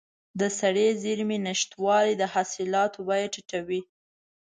د سړې زېرمې نشتوالی د حاصلاتو بیه ټیټوي.